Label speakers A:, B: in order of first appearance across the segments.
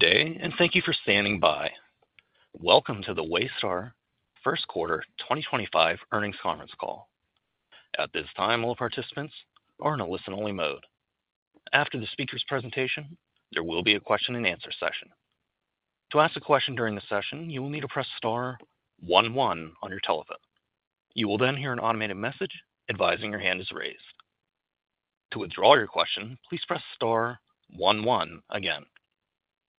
A: Today, and thank you for standing by. Welcome to the Waystar First Quarter 2025 Earnings Conference Call. At this time, all participants are in a listen-only mode. After the speaker's presentation, there will be a question-and-answer session. To ask a question during the session, you will need to press star one one on your telephone. You will then hear an automated message advising your hand is raised. To withdraw your question, please press star one one again.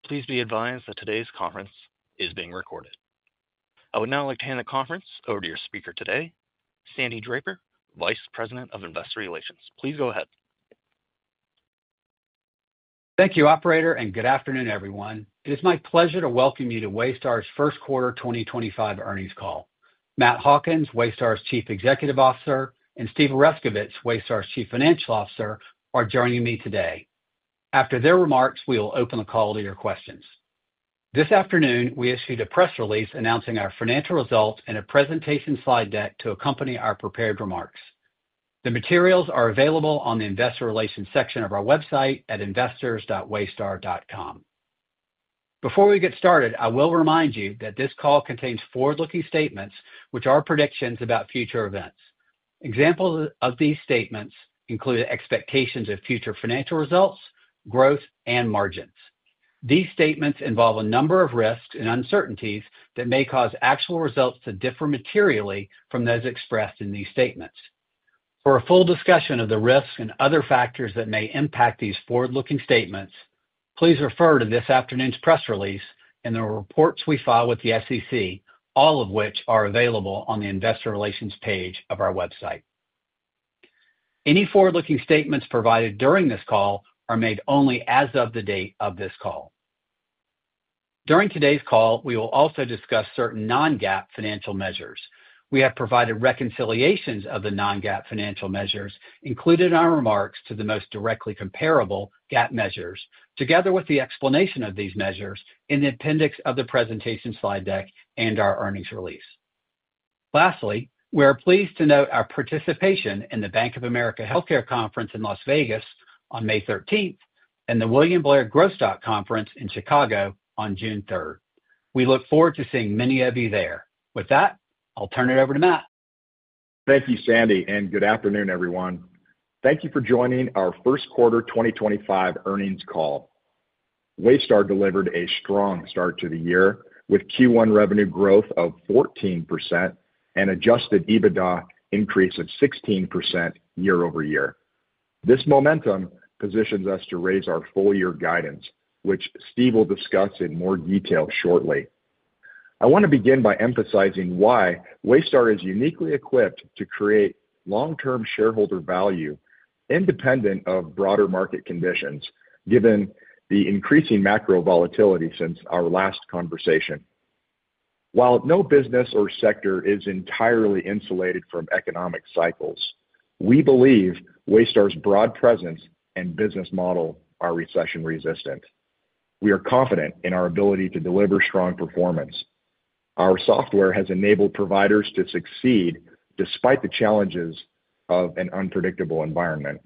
A: Please be advised that today's conference is being recorded. I would now like to hand the conference over to your speaker today, Sandy Draper, Vice President of Investor Relations. Please go ahead.
B: Thank you, Operator, and good afternoon, everyone. It is my pleasure to welcome you to Waystar's First Quarter 2025 Earnings Call. Matt Hawkins, Waystar's Chief Executive Officer, and Steve Oreskovich, Waystar's Chief Financial Officer, are joining me today. After their remarks, we will open the call to your questions. This afternoon, we issued a press release announcing our financial results and a presentation slide deck to accompany our prepared remarks. The materials are available on the Investor Relations section of our website at investors.waystar.com. Before we get started, I will remind you that this call contains forward-looking statements, which are predictions about future events. Examples of these statements include expectations of future financial results, growth, and margins. These statements involve a number of risks and uncertainties that may cause actual results to differ materially from those expressed in these statements. For a full discussion of the risks and other factors that may impact these forward-looking statements, please refer to this afternoon's press release and the reports we file with the SEC, all of which are available on the Investor Relations page of our website. Any forward-looking statements provided during this call are made only as of the date of this call. During today's call, we will also discuss certain non-GAAP financial measures. We have provided reconciliations of the non-GAAP financial measures included in our remarks to the most directly comparable GAAP measures, together with the explanation of these measures in the appendix of the presentation slide deck and our earnings release. Lastly, we are pleased to note our participation in the Bank of America Health Care Conference in Las Vegas on May 13th and the William Blair Growth Stock Conference in Chicago on June 3rd. We look forward to seeing many of you there. With that, I'll turn it over to Matt.
C: Thank you, Sandy, and good afternoon, everyone. Thank you for joining our First Quarter 2025 earnings call. Waystar delivered a strong start to the year with Q1 revenue growth of 14% and adjusted EBITDA increase of 16% year over year. This momentum positions us to raise our full-year guidance, which Steve will discuss in more detail shortly. I want to begin by emphasizing why Waystar is uniquely equipped to create long-term shareholder value independent of broader market conditions, given the increasing macro volatility since our last conversation. While no business or sector is entirely insulated from economic cycles, we believe Waystar's broad presence and business model are recession-resistant. We are confident in our ability to deliver strong performance. Our software has enabled providers to succeed despite the challenges of an unpredictable environment.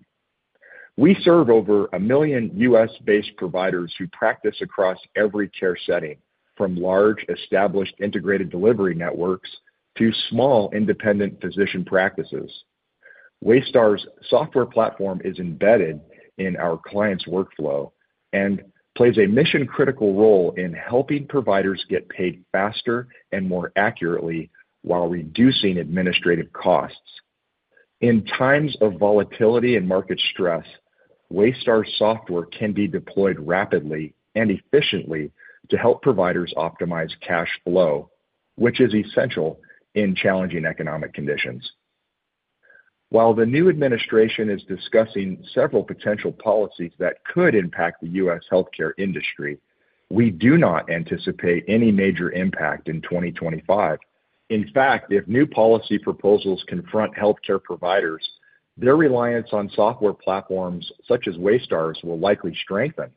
C: We serve over a million U.S.-based providers who practice across every care setting, from large established integrated delivery networks to small independent physician practices. Waystar's software platform is embedded in our clients' workflow and plays a mission-critical role in helping providers get paid faster and more accurately while reducing administrative costs. In times of volatility and market stress, Waystar software can be deployed rapidly and efficiently to help providers optimize cash flow, which is essential in challenging economic conditions. While the new administration is discussing several potential policies that could impact the U.S. healthcare industry, we do not anticipate any major impact in 2025. In fact, if new policy proposals confront healthcare providers, their reliance on software platforms such as Waystar's will likely strengthen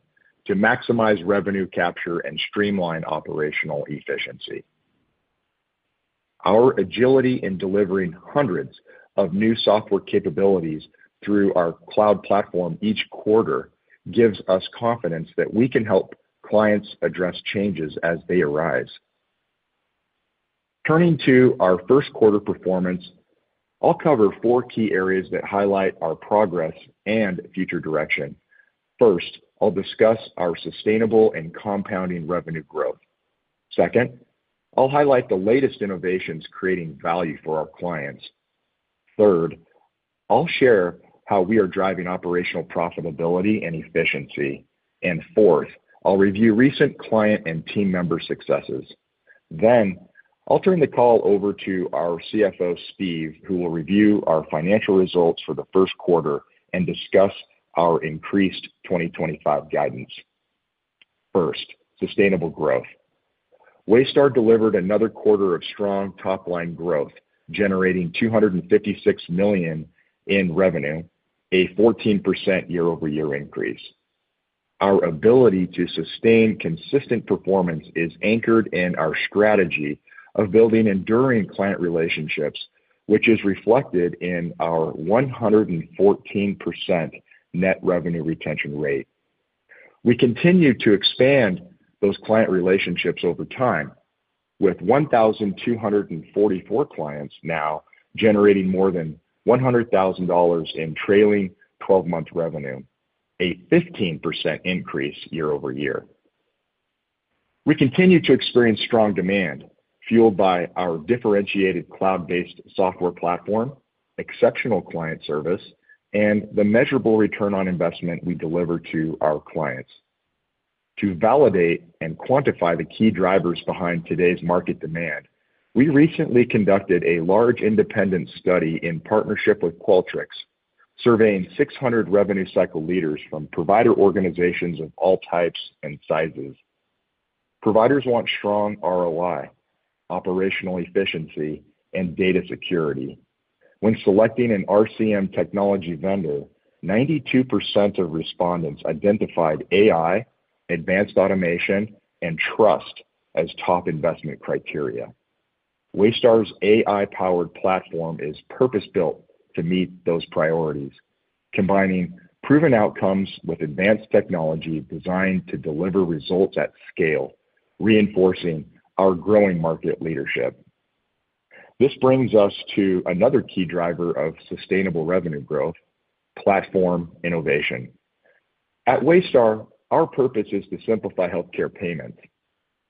C: to maximize revenue capture and streamline operational efficiency. Our agility in delivering hundreds of new software capabilities through our cloud platform each quarter gives us confidence that we can help clients address changes as they arise. Turning to our first quarter performance, I'll cover four key areas that highlight our progress and future direction. First, I'll discuss our sustainable and compounding revenue growth. Second, I'll highlight the latest innovations creating value for our clients. Third, I'll share how we are driving operational profitability and efficiency. Fourth, I'll review recent client and team member successes. I'll turn the call over to our CFO, Steve, who will review our financial results for the first quarter and discuss our increased 2025 guidance. First, sustainable growth. Waystar delivered another quarter of strong top-line growth, generating $256 million in revenue, a 14% year-over-year increase. Our ability to sustain consistent performance is anchored in our strategy of building enduring client relationships, which is reflected in our 114% net revenue retention rate. We continue to expand those client relationships over time, with 1,244 clients now generating more than $100,000 in trailing 12-month revenue, a 15% increase year-over-year. We continue to experience strong demand, fueled by our differentiated cloud-based software platform, exceptional client service, and the measurable return on investment we deliver to our clients. To validate and quantify the key drivers behind today's market demand, we recently conducted a large independent study in partnership with Qualtrics, surveying 600 revenue cycle leaders from provider organizations of all types and sizes. Providers want strong ROI, operational efficiency, and data security. When selecting an RCM technology vendor, 92% of respondents identified AI, advanced automation, and trust as top investment criteria. Waystar's AI-powered platform is purpose-built to meet those priorities, combining proven outcomes with advanced technology designed to deliver results at scale, reinforcing our growing market leadership. This brings us to another key driver of sustainable revenue growth: platform innovation. At Waystar, our purpose is to simplify healthcare payments.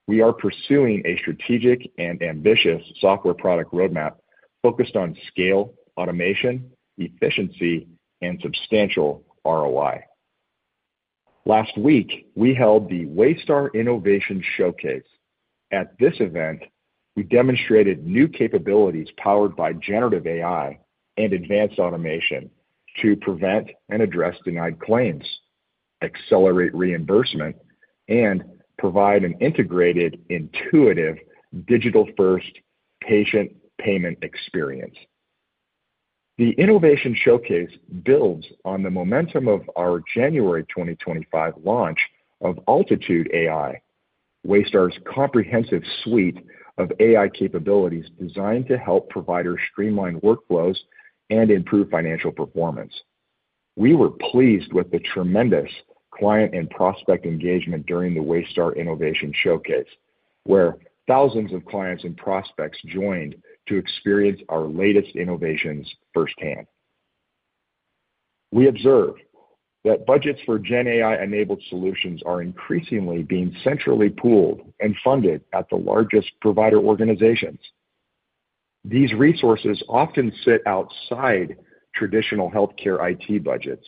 C: We are pursuing a strategic and ambitious software product roadmap focused on scale, automation, efficiency, and substantial ROI. Last week, we held the Waystar Innovation Showcase. At this event, we demonstrated new capabilities powered by generative AI and advanced automation to prevent and address denied claims, accelerate reimbursement, and provide an integrated, intuitive, digital-first patient payment experience. The Innovation Showcase builds on the momentum of our January 2025 launch of AltitudeAI, Waystar's comprehensive suite of AI capabilities designed to help providers streamline workflows and improve financial performance. We were pleased with the tremendous client and prospect engagement during the Waystar Innovation Showcase, where thousands of clients and prospects joined to experience our latest innovations firsthand. We observe that budgets for GenAI-enabled solutions are increasingly being centrally pooled and funded at the largest provider organizations. These resources often sit outside traditional healthcare IT budgets.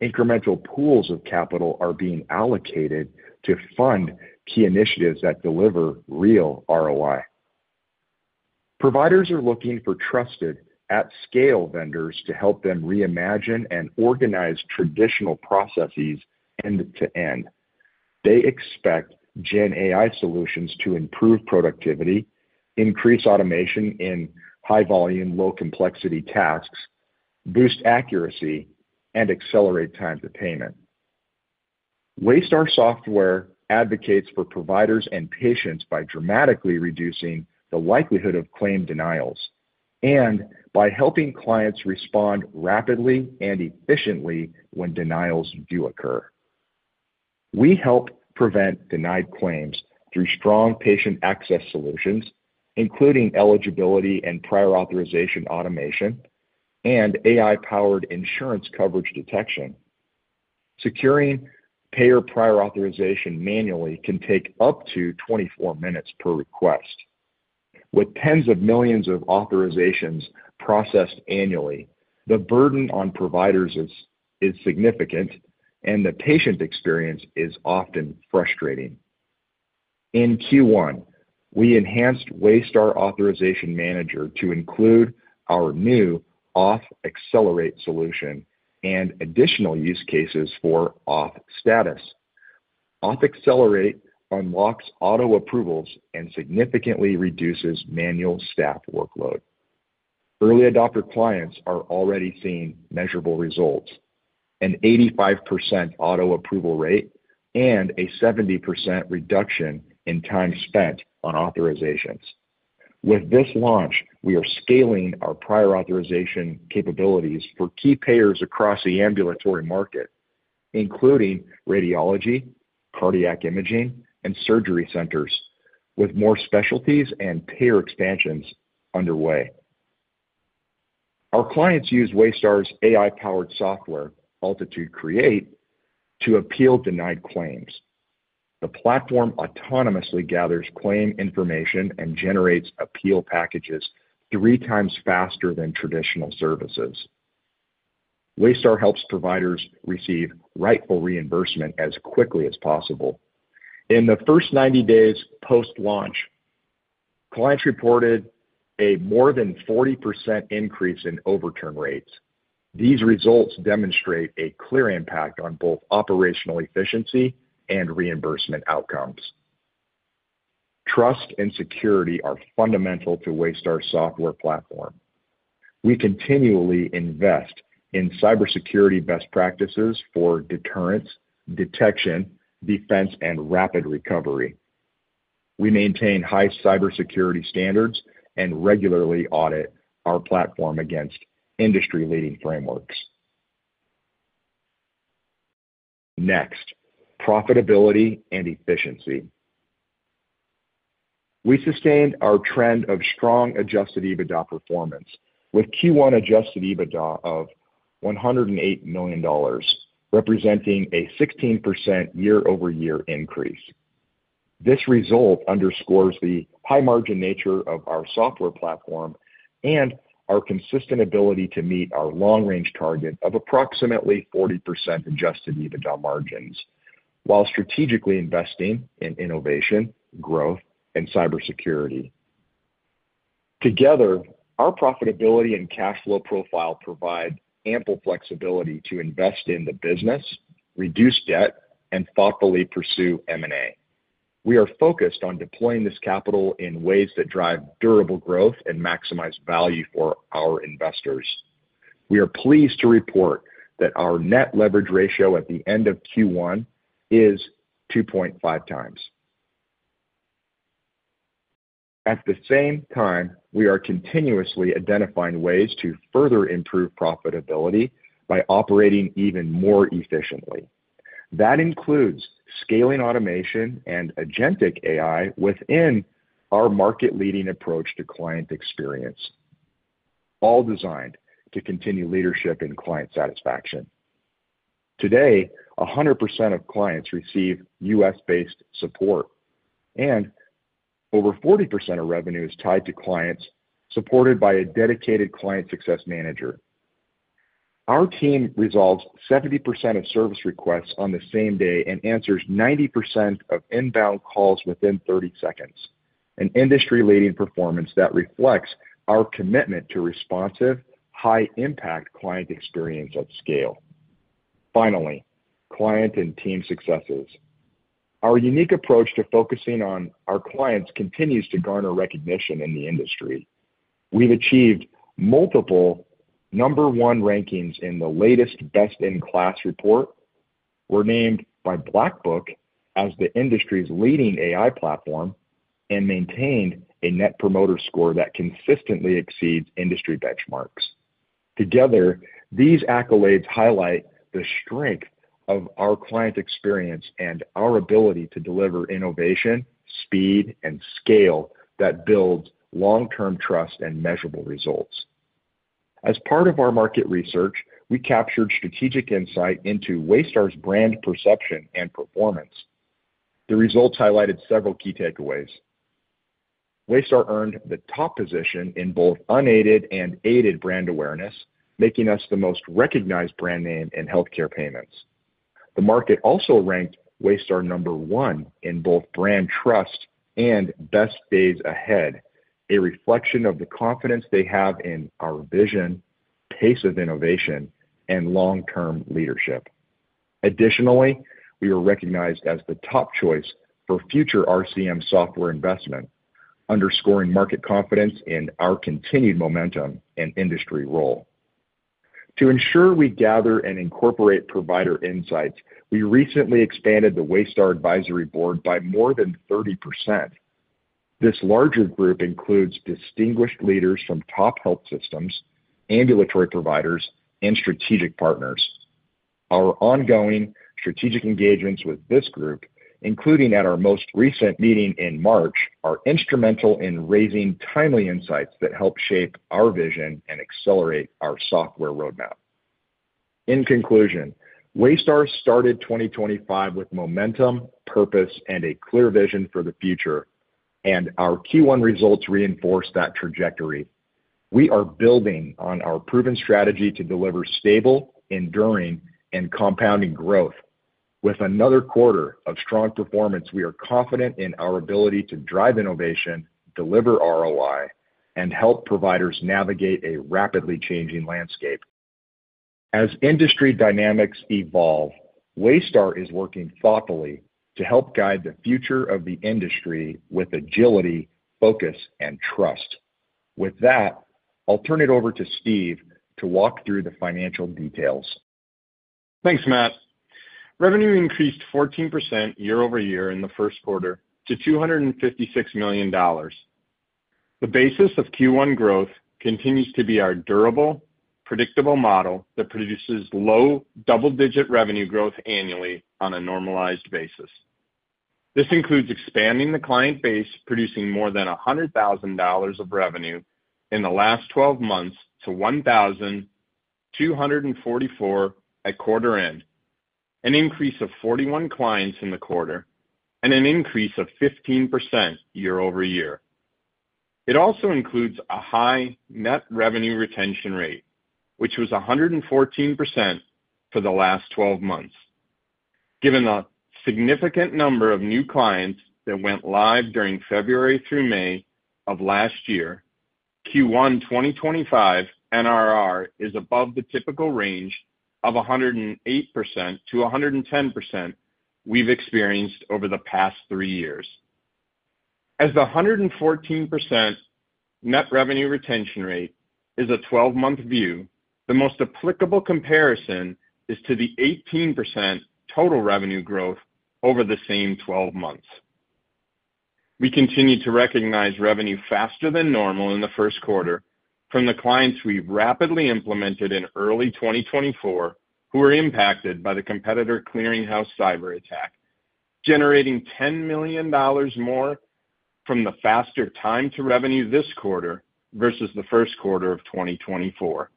C: Incremental pools of capital are being allocated to fund key initiatives that deliver real ROI. Providers are looking for trusted, at-scale vendors to help them reimagine and organize traditional processes end to end. They expect GenAI solutions to improve productivity, increase automation in high-volume, low-complexity tasks, boost accuracy, and accelerate time to payment. Waystar software advocates for providers and patients by dramatically reducing the likelihood of claim denials and by helping clients respond rapidly and efficiently when denials do occur. We help prevent denied claims through strong patient access solutions, including eligibility and prior authorization automation, and AI-powered insurance coverage detection. Securing payer prior authorization manually can take up to 24 minutes per request. With tens of millions of authorizations processed annually, the burden on providers is significant, and the patient experience is often frustrating. In Q1, we enhanced Waystar Authorization Manager to include our new Auth Accelerate solution and additional use cases for Auth Status. Auth Accelerate unlocks auto approvals and significantly reduces manual staff workload. Early adopter clients are already seeing measurable results: an 85% auto approval rate and a 70% reduction in time spent on authorizations. With this launch, we are scaling our prior authorization capabilities for key payers across the ambulatory market, including radiology, cardiac imaging, and surgery centers, with more specialties and payer expansions underway. Our clients use Waystar's AI-powered software, Altitude Create, to appeal denied claims. The platform autonomously gathers claim information and generates appeal packages three times faster than traditional services. Waystar helps providers receive rightful reimbursement as quickly as possible. In the first 90 days post-launch, clients reported a more than 40% increase in overturn rates. These results demonstrate a clear impact on both operational efficiency and reimbursement outcomes. Trust and security are fundamental to Waystar's software platform. We continually invest in cybersecurity best practices for deterrence, detection, defense, and rapid recovery. We maintain high cybersecurity standards and regularly audit our platform against industry-leading frameworks. Next, profitability and efficiency. We sustained our trend of strong adjusted EBITDA performance with Q1 adjusted EBITDA of $108 million, representing a 16% year-over-year increase. This result underscores the high-margin nature of our software platform and our consistent ability to meet our long-range target of approximately 40% adjusted EBITDA margins, while strategically investing in innovation, growth, and cybersecurity. Together, our profitability and cash flow profile provide ample flexibility to invest in the business, reduce debt, and thoughtfully pursue M&A. We are focused on deploying this capital in ways that drive durable growth and maximize value for our investors. We are pleased to report that our net leverage ratio at the end of Q1 is 2.5 times. At the same time, we are continuously identifying ways to further improve profitability by operating even more efficiently. That includes scaling automation and agentic AI within our market-leading approach to client experience, all designed to continue leadership in client satisfaction. Today, 100% of clients receive U.S.-based support, and over 40% of revenue is tied to clients supported by a dedicated client success manager. Our team resolves 70% of service requests on the same day and answers 90% of inbound calls within 30 seconds, an industry-leading performance that reflects our commitment to responsive, high-impact client experience at scale. Finally, client and team successes. Our unique approach to focusing on our clients continues to garner recognition in the industry. We've achieved multiple number one rankings in the latest Best in KLAS report. We're named by Black Book as the industry's leading AI platform and maintained a Net Promoter Score that consistently exceeds industry benchmarks. Together, these accolades highlight the strength of our client experience and our ability to deliver innovation, speed, and scale that builds long-term trust and measurable results. As part of our market research, we captured strategic insight into Waystar's brand perception and performance. The results highlighted several key takeaways. Waystar earned the top position in both unaided and aided brand awareness, making us the most recognized brand name in healthcare payments. The market also ranked Waystar number one in both brand trust and best days ahead, a reflection of the confidence they have in our vision, pace of innovation, and long-term leadership. Additionally, we were recognized as the top choice for future RCM software investment, underscoring market confidence in our continued momentum and industry role. To ensure we gather and incorporate provider insights, we recently expanded the Waystar Advisory Board by more than 30%. This larger group includes distinguished leaders from top health systems, ambulatory providers, and strategic partners. Our ongoing strategic engagements with this group, including at our most recent meeting in March, are instrumental in raising timely insights that help shape our vision and accelerate our software roadmap. In conclusion, Waystar started 2025 with momentum, purpose, and a clear vision for the future, and our Q1 results reinforce that trajectory. We are building on our proven strategy to deliver stable, enduring, and compounding growth. With another quarter of strong performance, we are confident in our ability to drive innovation, deliver ROI, and help providers navigate a rapidly changing landscape. As industry dynamics evolve, Waystar is working thoughtfully to help guide the future of the industry with agility, focus, and trust. With that, I'll turn it over to Steve to walk through the financial details.
D: Thanks, Matt. Revenue increased 14% year-over-year in the first quarter to $256 million. The basis of Q1 growth continues to be our durable, predictable model that produces low double-digit revenue growth annually on a normalized basis. This includes expanding the client base, producing more than $100,000 of revenue in the last 12 months to 1,244 at quarter-end, an increase of 41 clients in the quarter, and an increase of 15% year-over-year. It also includes a high net revenue retention rate, which was 114% for the last 12 months. Given the significant number of new clients that went live during February through May of last year, Q1 2025 NRR is above the typical range of 108%-110% we've experienced over the past three years. As the 114% net revenue retention rate is a 12-month view, the most applicable comparison is to the 18% total revenue growth over the same 12 months. We continue to recognize revenue faster than normal in the first quarter from the clients we rapidly implemented in early 2024 who were impacted by the competitor clearinghouse cyberattack, generating $10 million more from the faster time to revenue this quarter versus the first quarter of 2024.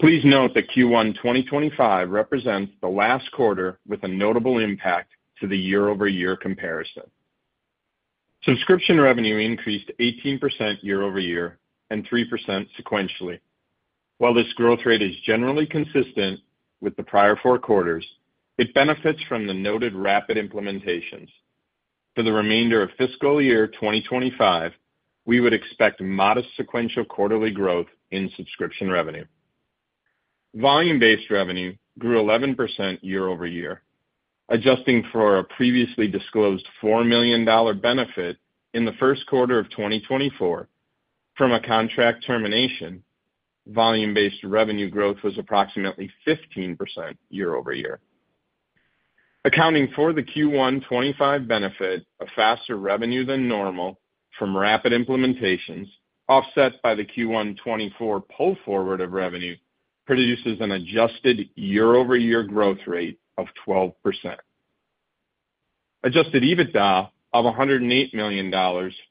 D: Please note that Q1 2025 represents the last quarter with a notable impact to the year-over-year comparison. Subscription revenue increased 18% year-over-year and 3% sequentially. While this growth rate is generally consistent with the prior four quarters, it benefits from the noted rapid implementations. For the remainder of fiscal year 2025, we would expect modest sequential quarterly growth in subscription revenue. Volume-based revenue grew 11% year-over-year, adjusting for a previously disclosed $4 million benefit in the first quarter of 2024 from a contract termination. Volume-based revenue growth was approximately 15% year-over-year. Accounting for the Q1 2025 benefit of faster revenue than normal from rapid implementations, offset by the Q1 2024 pull forward of revenue, produces an adjusted year-over-year growth rate of 12%. Adjusted EBITDA of $108 million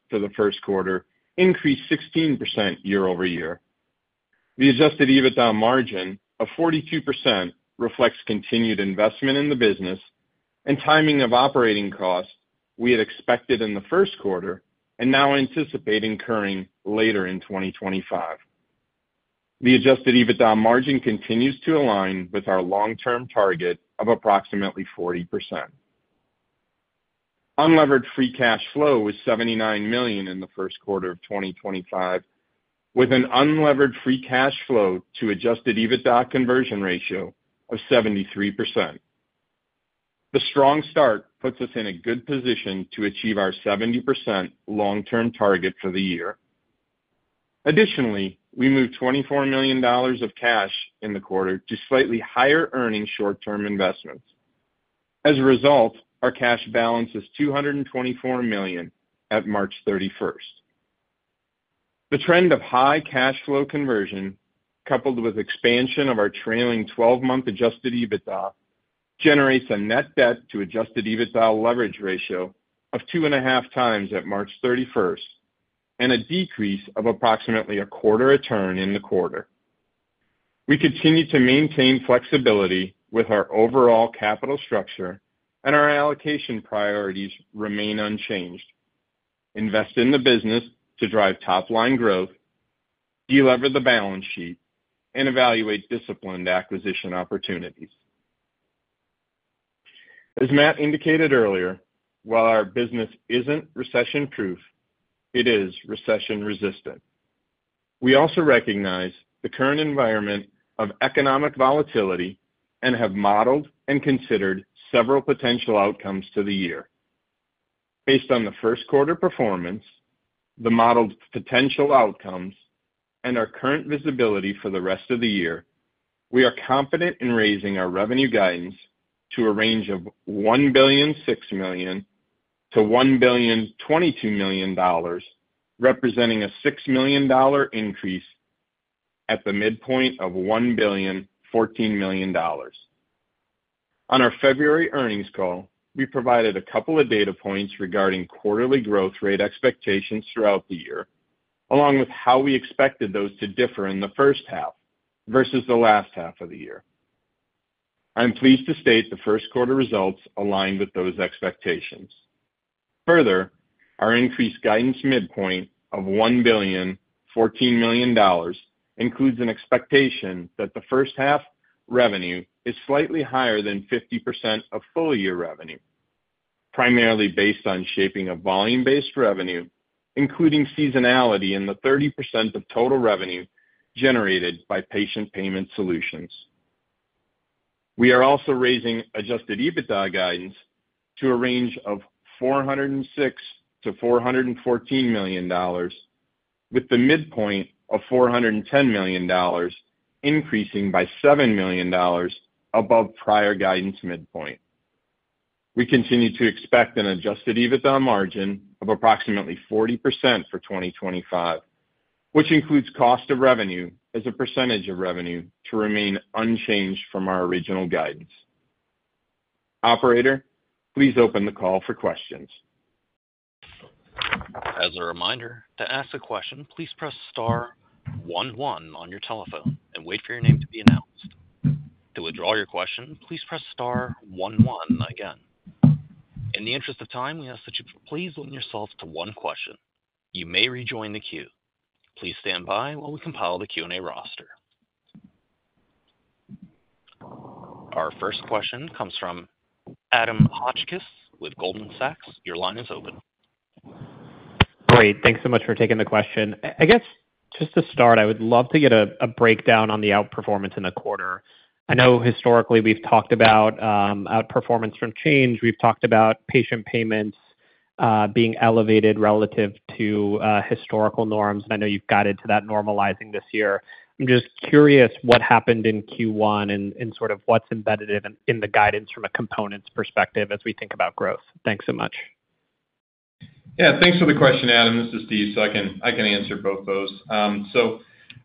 D: for the first quarter increased 16% year-over-year. The adjusted EBITDA margin of 42% reflects continued investment in the business and timing of operating costs we had expected in the first quarter and now anticipate incurring later in 2025. The adjusted EBITDA margin continues to align with our long-term target of approximately 40%. Unlevered free cash flow was $79 million in the first quarter of 2025, with an unlevered free cash flow to adjusted EBITDA conversion ratio of 73%. The strong start puts us in a good position to achieve our 70% long-term target for the year. Additionally, we moved $24 million of cash in the quarter to slightly higher earnings short-term investments. As a result, our cash balance is $224 million at March 31st. The trend of high cash flow conversion, coupled with expansion of our trailing 12-month adjusted EBITDA, generates a net debt to adjusted EBITDA leverage ratio of two and a half times at March 31st and a decrease of approximately a quarter return in the quarter. We continue to maintain flexibility with our overall capital structure, and our allocation priorities remain unchanged. Invest in the business to drive top-line growth, delever the balance sheet, and evaluate disciplined acquisition opportunities. As Matt indicated earlier, while our business isn't recession-proof, it is recession-resistant. We also recognize the current environment of economic volatility and have modeled and considered several potential outcomes to the year. Based on the first quarter performance, the modeled potential outcomes, and our current visibility for the rest of the year, we are confident in raising our revenue guidance to a range of $1,006,000,000-$1,022,000,000, representing a $6 million increase at the midpoint of $1,014,000,000. On our February earnings call, we provided a couple of data points regarding quarterly growth rate expectations throughout the year, along with how we expected those to differ in the first half versus the last half of the year. I'm pleased to state the first quarter results aligned with those expectations. Further, our increased guidance midpoint of $1,014,000,000 includes an expectation that the first half revenue is slightly higher than 50% of full-year revenue, primarily based on shaping of volume-based revenue, including seasonality in the 30% of total revenue generated by patient payment solutions. We are also raising adjusted EBITDA guidance to a range of $406 million-$414 million, with the midpoint of $410 million increasing by $7 million above prior guidance midpoint. We continue to expect an adjusted EBITDA margin of approximately 40% for 2025, which includes cost of revenue as a percentage of revenue to remain unchanged from our original guidance. Operator, please open the call for questions.
A: As a reminder, to ask a question, please press star one one on your telephone and wait for your name to be announced. To withdraw your question, please press star one one again. In the interest of time, we ask that you please limit yourself to one question. You may rejoin the queue. Please stand by while we compile the Q&A roster. Our first question comes from Adam Hotchkiss with Goldman Sachs. Your line is open.
E: Great. Thanks so much for taking the question. I guess just to start, I would love to get a breakdown on the outperformance in the quarter. I know historically we've talked about outperformance from Change. We've talked about patient payments being elevated relative to historical norms, and I know you've guided to that normalizing this year. I'm just curious what happened in Q1 and sort of what's embedded in the guidance from a components perspective as we think about growth. Thanks so much.
D: Yeah. Thanks for the question, Adam. This is Steve, so I can answer both those.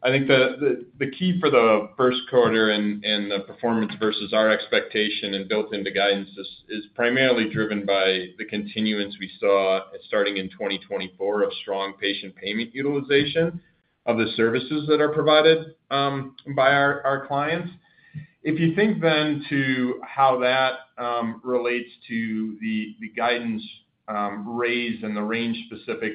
D: I think the key for the first quarter and the performance versus our expectation and built into guidance is primarily driven by the continuance we saw starting in 2024 of strong patient payment utilization of the services that are provided by our clients. If you think then to how that relates to the guidance raise and the range specific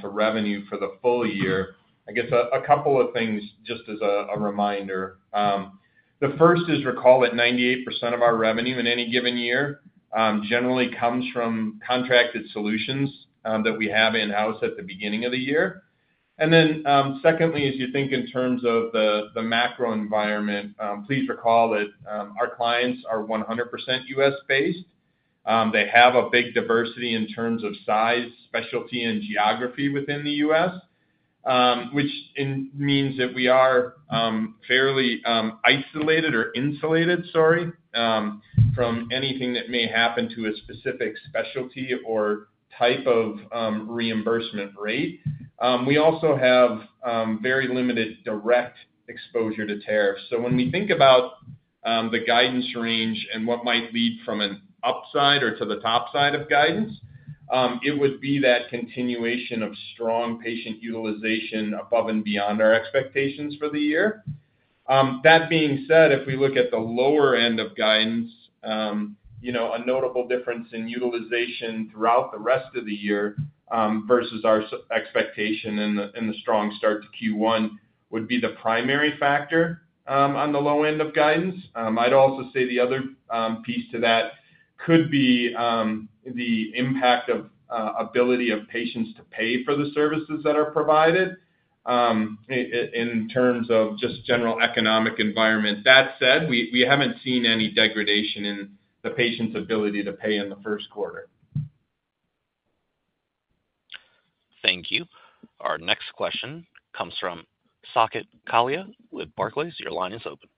D: to revenue for the full year, I guess a couple of things just as a reminder. The first is recall that 98% of our revenue in any given year generally comes from contracted solutions that we have in-house at the beginning of the year. Then secondly, as you think in terms of the macro environment, please recall that our clients are 100% U.S.-based. They have a big diversity in terms of size, specialty, and geography within the U.S., which means that we are fairly isolated or insulated, sorry, from anything that may happen to a specific specialty or type of reimbursement rate. We also have very limited direct exposure to tariffs. When we think about the guidance range and what might lead from an upside or to the top side of guidance, it would be that continuation of strong patient utilization above and beyond our expectations for the year. That being said, if we look at the lower end of guidance, a notable difference in utilization throughout the rest of the year versus our expectation in the strong start to Q1 would be the primary factor on the low end of guidance. I'd also say the other piece to that could be the impact of ability of patients to pay for the services that are provided in terms of just general economic environment. That said, we haven't seen any degradation in the patient's ability to pay in the first quarter.
A: Thank you. Our next question comes from Saket Kalia with Barclays. Your line is open.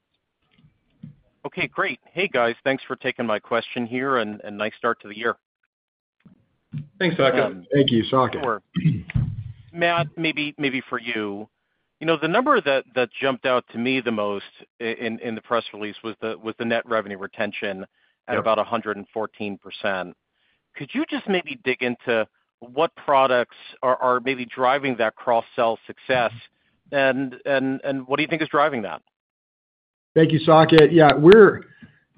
F: Okay. Great. Hey, guys. Thanks for taking my question here and nice start to the year.
D: Thanks, Saket.
C: Thank you, Saket.
F: Matt, maybe for you, the number that jumped out to me the most in the press release was the net revenue retention at about 114%. Could you just maybe dig into what products are maybe driving that cross-sell success, and what do you think is driving that?
C: Thank you, Saket. Yeah.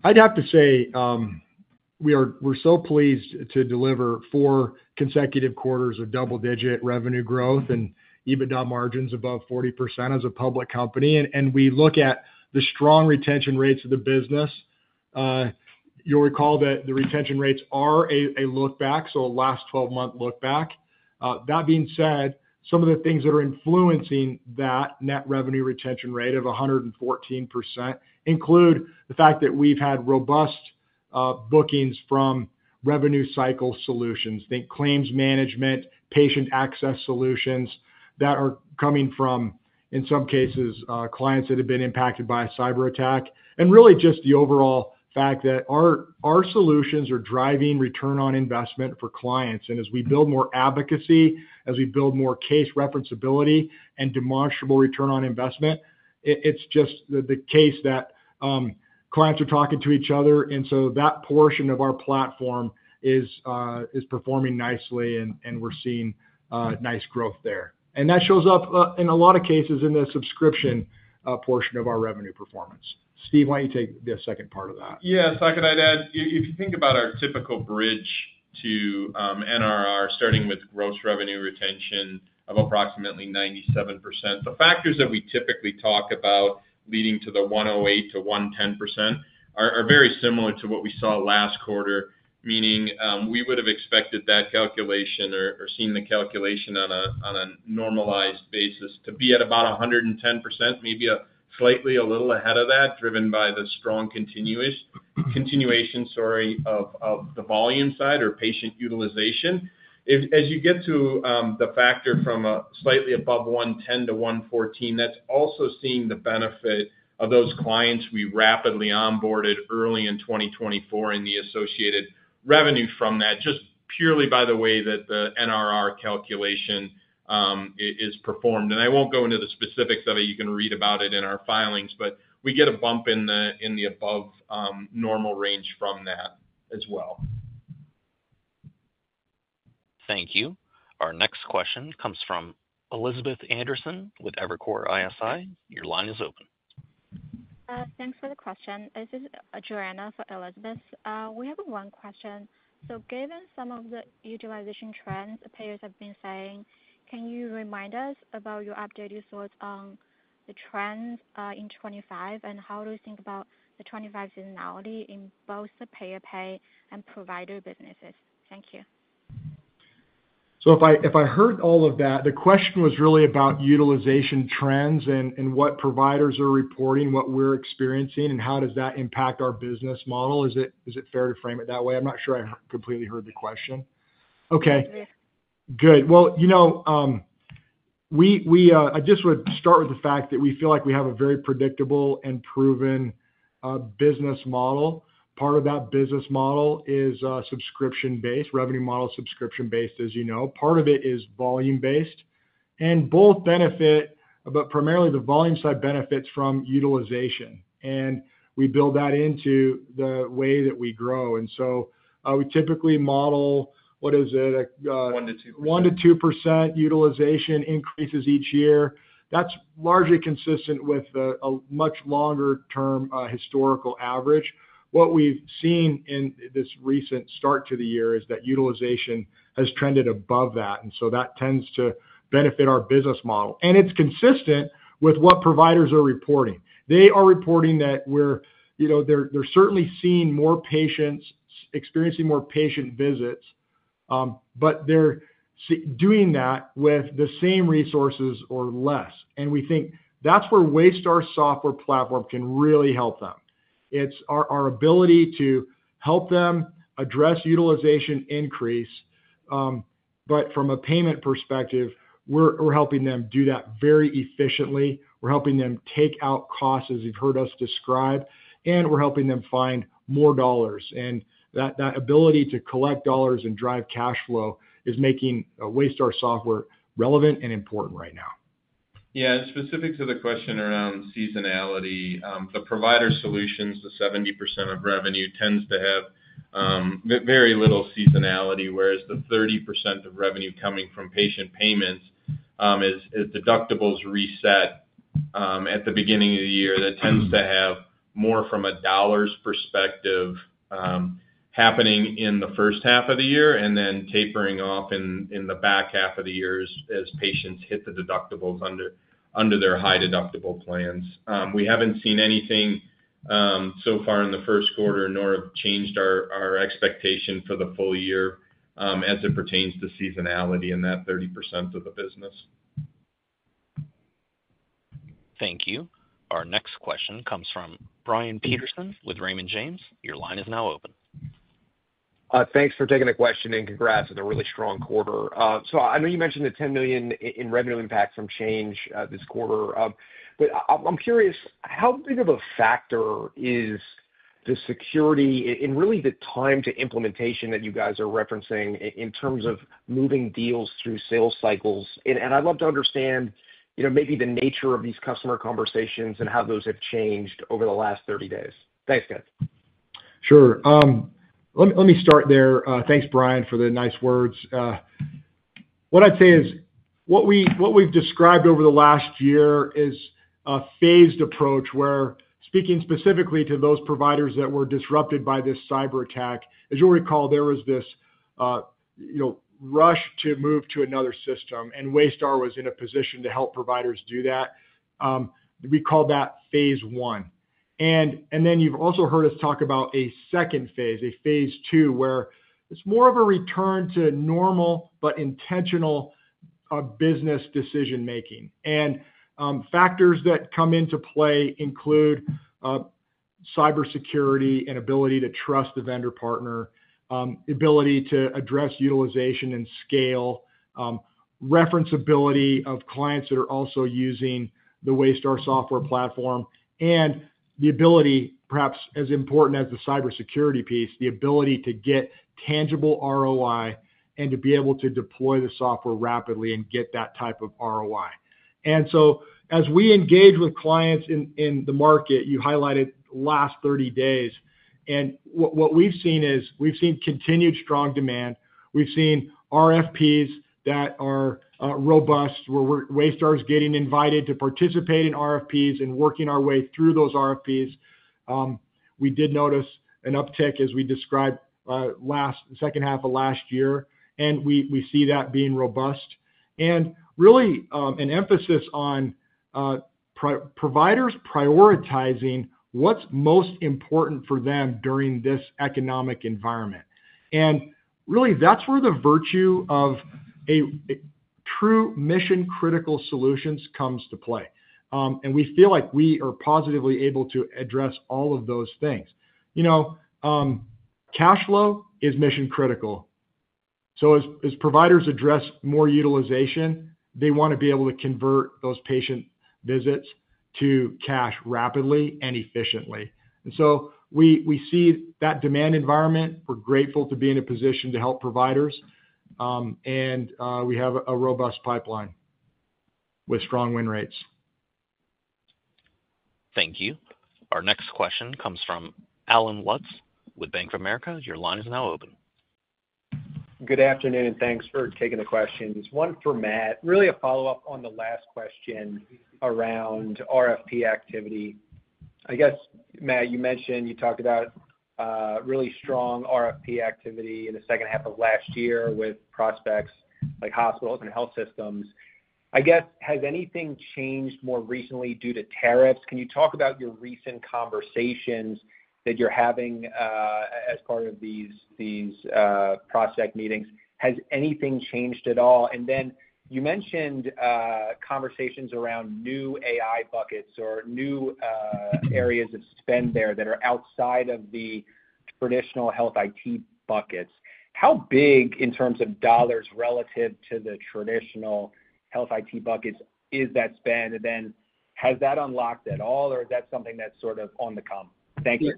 C: I'd have to say we're so pleased to deliver four consecutive quarters of double-digit revenue growth and EBITDA margins above 40% as a public company. We look at the strong retention rates of the business. You'll recall that the retention rates are a look-back, so a last 12-month look-back. That being said, some of the things that are influencing that net revenue retention rate of 114% include the fact that we've had robust bookings from revenue cycle solutions, think claims management, patient access solutions that are coming from, in some cases, clients that have been impacted by a cyberattack, and really just the overall fact that our solutions are driving return on investment for clients. As we build more advocacy, as we build more case referenceability and demonstrable return on investment, it's just the case that clients are talking to each other. That portion of our platform is performing nicely, and we're seeing nice growth there. That shows up in a lot of cases in the subscription portion of our revenue performance. Steve, why don't you take the second part of that?
D: Yeah. Saket, I'd add, if you think about our typical bridge to NRR, starting with gross revenue retention of approximately 97%, the factors that we typically talk about leading to the 108%-110% are very similar to what we saw last quarter, meaning we would have expected that calculation or seen the calculation on a normalized basis to be at about 110%, maybe slightly a little ahead of that, driven by the strong continuation of the volume side or patient utilization. As you get to the factor from slightly above 110% to 114%, that's also seeing the benefit of those clients we rapidly onboarded early in 2024 and the associated revenue from that, just purely by the way that the NRR calculation is performed. I won't go into the specifics of it. You can read about it in our filings, but we get a bump in the above-normal range from that as well.
A: Thank you. Our next question comes from Elizabeth Anderson with Evercore ISI. Your line is open.
G: Thanks for the question. This is Joanna for Elizabeth. We have one question. Given some of the utilization trends players have been saying, can you remind us about your updated thoughts on the trends in 2025 and how do you think about the 2025 seasonality in both the payer pay and provider businesses? Thank you.
C: If I heard all of that, the question was really about utilization trends and what providers are reporting, what we're experiencing, and how does that impact our business model. Is it fair to frame it that way? I'm not sure I completely heard the question. Okay. Good. I just would start with the fact that we feel like we have a very predictable and proven business model. Part of that business model is subscription-based, revenue model subscription-based, as you know. Part of it is volume-based. Both benefit, but primarily the volume side benefits from utilization. We build that into the way that we grow. We typically model what is it? One to two percent. One to two percent utilization increases each year. That is largely consistent with a much longer-term historical average. What we have seen in this recent start to the year is that utilization has trended above that. That tends to benefit our business model. It is consistent with what providers are reporting. They are reporting that they are certainly seeing more patients, experiencing more patient visits, but they are doing that with the same resources or less. We think that's where Waystar Software Platform can really help them. It's our ability to help them address utilization increase, but from a payment perspective, we're helping them do that very efficiently. We're helping them take out costs, as you've heard us describe, and we're helping them find more dollars. That ability to collect dollars and drive cash flow is making Waystar Software relevant and important right now.
D: Yeah. Specific to the question around seasonality, the provider solutions, the 70% of revenue tends to have very little seasonality, whereas the 30% of revenue coming from patient payments is deductibles reset at the beginning of the year. That tends to have more from a dollars perspective happening in the first half of the year and then tapering off in the back half of the year as patients hit the deductibles under their high deductible plans. We haven't seen anything so far in the first quarter, nor have changed our expectation for the full year as it pertains to seasonality in that 30% of the business.
A: Thank you. Our next question comes from Brian Peterson with Raymond James. Your line is now open.
H: Thanks for taking the question and congrats on a really strong quarter. I know you mentioned the $10 million in revenue impact from Change this quarter, but I'm curious, how big of a factor is the security and really the time to implementation that you guys are referencing in terms of moving deals through sales cycles? I'd love to understand maybe the nature of these customer conversations and how those have changed over the last 30 days. Thanks, guys.
C: Sure. Let me start there. Thanks, Brian, for the nice words. What I'd say is what we've described over the last year is a phased approach where, speaking specifically to those providers that were disrupted by this cyberattack, as you'll recall, there was this rush to move to another system, and Waystar was in a position to help providers do that. We call that phase one. You have also heard us talk about a second phase, a phase two, where it's more of a return to normal but intentional business decision-making. Factors that come into play include cybersecurity and ability to trust the vendor partner, ability to address utilization and scale, referenceability of clients that are also using the Waystar Software Platform, and the ability, perhaps as important as the cybersecurity piece, the ability to get tangible ROI and to be able to deploy the software rapidly and get that type of ROI. As we engage with clients in the market, you highlighted last 30 days, and what we've seen is we've seen continued strong demand. We've seen RFPs that are robust, where Waystar is getting invited to participate in RFPs and working our way through those RFPs. We did notice an uptick, as we described, second half of last year, and we see that being robust. Really an emphasis on providers prioritizing what's most important for them during this economic environment. Really, that's where the virtue of true mission-critical solutions comes to play. We feel like we are positively able to address all of those things. Cash flow is mission-critical. As providers address more utilization, they want to be able to convert those patient visits to cash rapidly and efficiently. We see that demand environment. We're grateful to be in a position to help providers, and we have a robust pipeline with strong win rates.
A: Thank you. Our next question comes from Allen Lutz with Bank of America. Your line is now open.
I: Good afternoon, and thanks for taking the questions. One for Matt, really a follow-up on the last question around RFP activity. I guess, Matt, you mentioned you talked about really strong RFP activity in the second half of last year with prospects like hospitals and health systems. I guess, has anything changed more recently due to tariffs? Can you talk about your recent conversations that you're having as part of these prospect meetings? Has anything changed at all? You mentioned conversations around new AI buckets or new areas of spend there that are outside of the traditional health IT buckets. How big in terms of dollars relative to the traditional health IT buckets is that spend? Is that unlocked at all, or is that something that's sort of on the come? Thank you.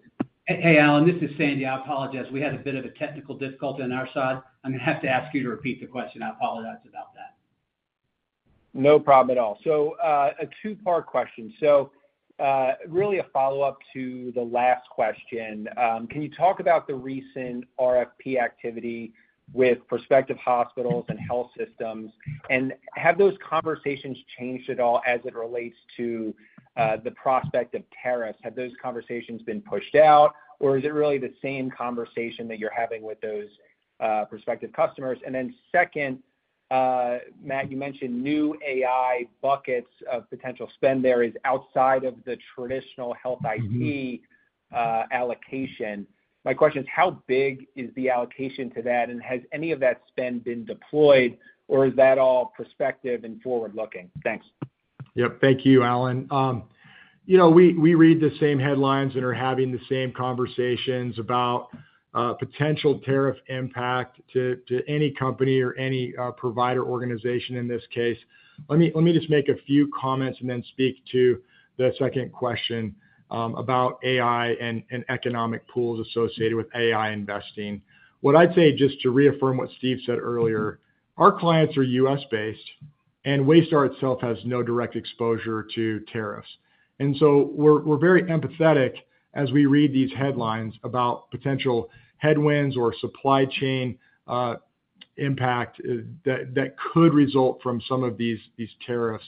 B: Hey, Allen, this is Sandy. I apologize. We had a bit of a technical difficulty on our side. I'm going to have to ask you to repeat the question. I apologize about that.
I: No problem at all. A two-part question. Really a follow-up to the last question. Can you talk about the recent RFP activity with prospective hospitals and health systems? Have those conversations changed at all as it relates to the prospect of tariffs? Have those conversations been pushed out, or is it really the same conversation that you're having with those prospective customers? Then second, Matt, you mentioned new AI buckets of potential spend there is outside of the traditional health IT allocation. My question is, how big is the allocation to that? And has any of that spend been deployed, or is that all prospective and forward-looking? Thanks.
C: Yep. Thank you, Allen. We read the same headlines and are having the same conversations about potential tariff impact to any company or any provider organization in this case. Let me just make a few comments and then speak to the second question about AI and economic pools associated with AI investing. What I'd say just to reaffirm what Steve said earlier, our clients are U.S.-based, and Waystar itself has no direct exposure to tariffs. We are very empathetic as we read these headlines about potential headwinds or supply chain impact that could result from some of these tariffs.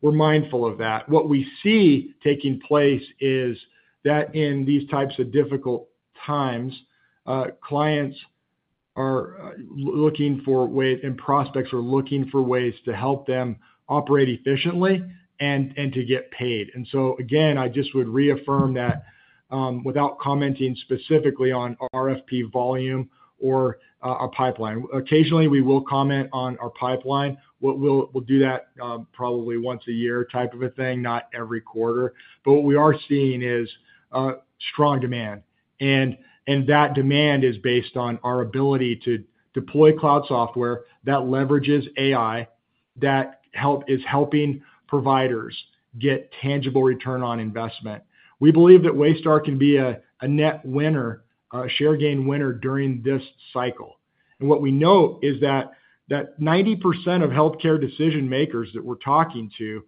C: We're mindful of that. What we see taking place is that in these types of difficult times, clients are looking for ways, and prospects are looking for ways to help them operate efficiently and to get paid. I just would reaffirm that without commenting specifically on RFP volume or our pipeline. Occasionally, we will comment on our pipeline. We'll do that probably once a year type of a thing, not every quarter. What we are seeing is strong demand. That demand is based on our ability to deploy cloud software that leverages AI that is helping providers get tangible return on investment. We believe that Waystar can be a net winner, a share gain winner during this cycle. What we know is that 90% of healthcare decision-makers that we're talking to,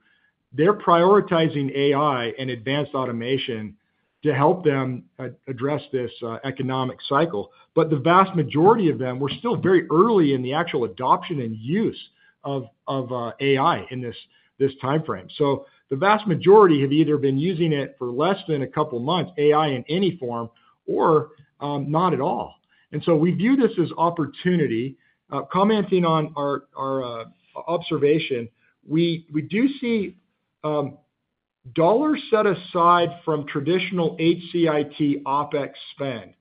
C: they're prioritizing AI and advanced automation to help them address this economic cycle. The vast majority of them were still very early in the actual adoption and use of AI in this timeframe. The vast majority have either been using it for less than a couple of months, AI in any form, or not at all. We view this as opportunity. Commenting on our observation, we do see dollars set aside from traditional HCIT OpEx spend,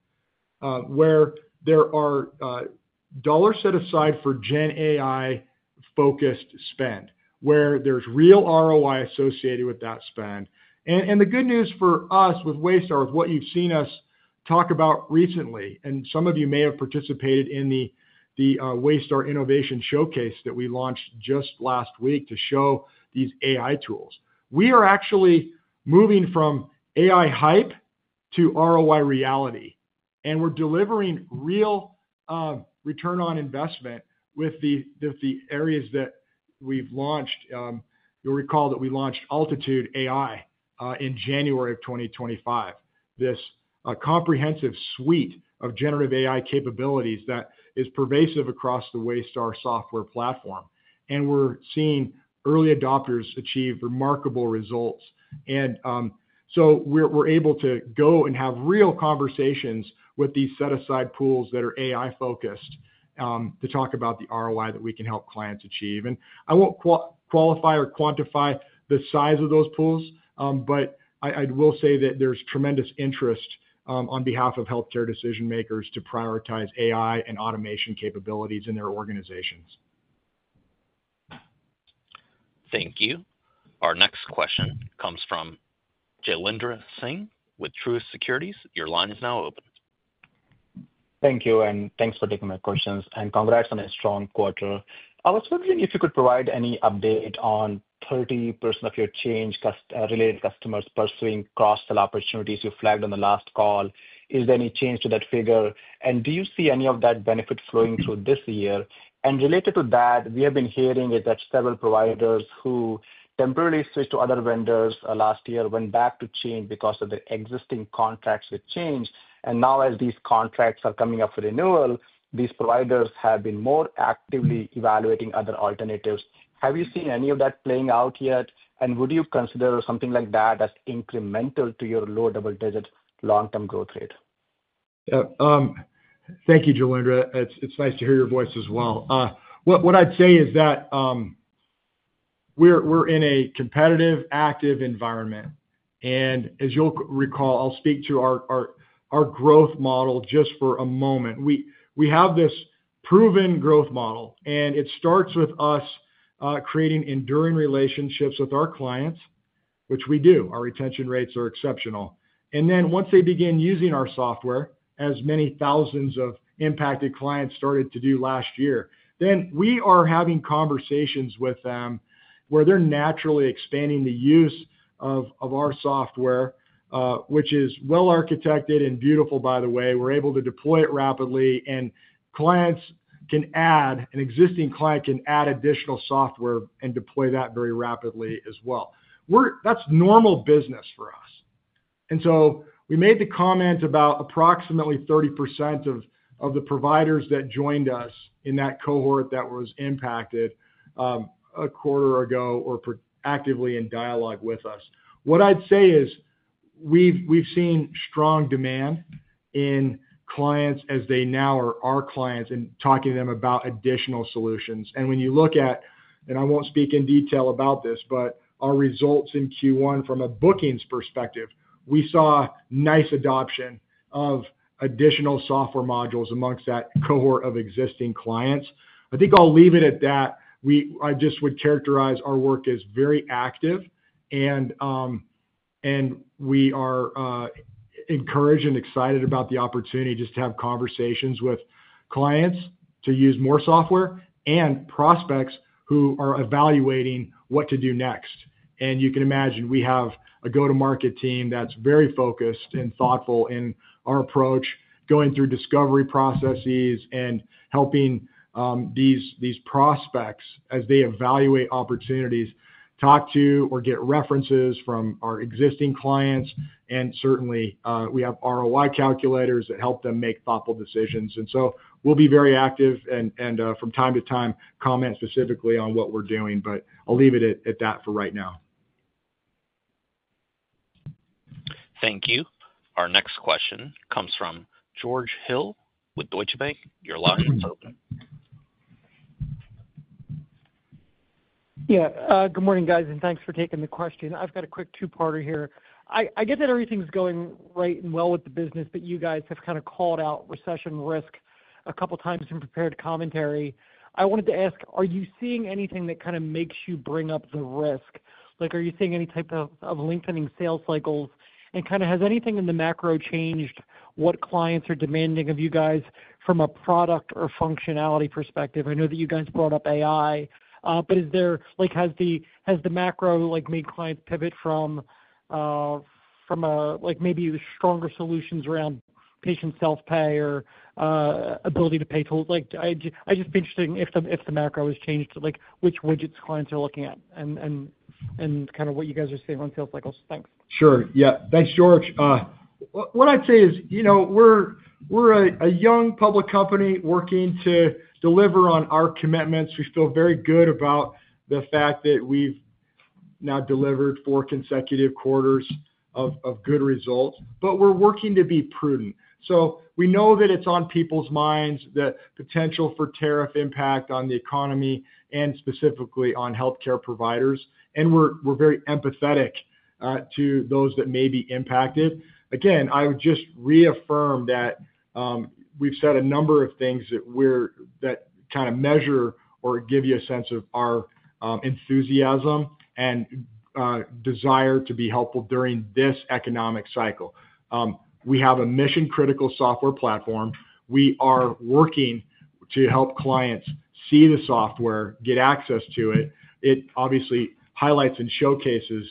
C: where there are dollars set aside for GenAI-focused spend, where there's real ROI associated with that spend. The good news for us with Waystar, with what you've seen us talk about recently, and some of you may have participated in the Waystar Innovation Showcase that we launched just last week to show these AI tools, we are actually moving from AI hype to ROI reality. We're delivering real return on investment with the areas that we've launched. You'll recall that we launched AltitudeAI in January of 2025, this comprehensive suite of generative AI capabilities that is pervasive across the Waystar Software Platform. We're seeing early adopters achieve remarkable results. We're able to go and have real conversations with these set-aside pools that are AI-focused to talk about the ROI that we can help clients achieve. I will not qualify or quantify the size of those pools, but I will say that there is tremendous interest on behalf of healthcare decision-makers to prioritize AI and automation capabilities in their organizations.
A: Thank you. Our next question comes from Jailendra Singh with Truist Securities. Your line is now open.
J: Thank you, and thanks for taking my questions. Congrats on a strong quarter. I was wondering if you could provide any update on 30% of your Change Healthcare-related customers pursuing cross-sell opportunities you flagged on the last call. Is there any change to that figure? Do you see any of that benefit flowing through this year? Related to that, we have been hearing that several providers who temporarily switched to other vendors last year went back to Change Healthcare because of the existing contracts with Change Healthcare. Now, as these contracts are coming up for renewal, these providers have been more actively evaluating other alternatives. Have you seen any of that playing out yet? Would you consider something like that as incremental to your low double-digit long-term growth rate?
C: Yeah. Thank you, Jailendra. It's nice to hear your voice as well. What I'd say is that we're in a competitive, active environment. As you'll recall, I'll speak to our growth model just for a moment. We have this proven growth model, and it starts with us creating enduring relationships with our clients, which we do. Our retention rates are exceptional. Once they begin using our software, as many thousands of impacted clients started to do last year, we are having conversations with them where they're naturally expanding the use of our software, which is well-architected and beautiful, by the way. We're able to deploy it rapidly, and clients can add, an existing client can add additional software and deploy that very rapidly as well. That's normal business for us. We made the comment about approximately 30% of the providers that joined us in that cohort that was impacted a quarter ago are actively in dialogue with us. What I'd say is we've seen strong demand in clients as they now are our clients and talking to them about additional solutions. When you look at, and I won't speak in detail about this, but our results in Q1 from a bookings perspective, we saw nice adoption of additional software modules amongst that cohort of existing clients. I think I'll leave it at that. I just would characterize our work as very active, and we are encouraged and excited about the opportunity just to have conversations with clients to use more software and prospects who are evaluating what to do next. You can imagine we have a go-to-market team that's very focused and thoughtful in our approach, going through discovery processes and helping these prospects as they evaluate opportunities, talk to or get references from our existing clients. We have ROI calculators that help them make thoughtful decisions. We'll be very active and from time to time comment specifically on what we're doing, but I'll leave it at that for right now.
A: Thank you. Our next question comes from George Hill with Deutsche Bank. Your line is open.
K: Yeah. Good morning, guys, and thanks for taking the question. I've got a quick two-parter here. I get that everything's going right and well with the business, but you guys have kind of called out recession risk a couple of times in prepared commentary. I wanted to ask, are you seeing anything that kind of makes you bring up the risk? Are you seeing any type of lengthening sales cycles? Has anything in the macro changed what clients are demanding of you guys from a product or functionality perspective? I know that you guys brought up AI, but has the macro made clients pivot from maybe stronger solutions around patient self-pay or ability to pay towards? I'd just be interested in if the macro has changed, which widgets clients are looking at and what you guys are seeing on sales cycles. Thanks.
C: Sure. Yeah. Thanks, George. What I'd say is we're a young public company working to deliver on our commitments. We feel very good about the fact that we've now delivered four consecutive quarters of good results, but we're working to be prudent. We know that it's on people's minds, the potential for tariff impact on the economy and specifically on healthcare providers, and we're very empathetic to those that may be impacted. Again, I would just reaffirm that we've said a number of things that kind of measure or give you a sense of our enthusiasm and desire to be helpful during this economic cycle. We have a mission-critical software platform. We are working to help clients see the software, get access to it. It obviously highlights and showcases